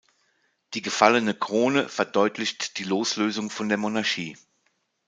Die gefallene Krone verdeutlicht die Loslösung von der Monarchie.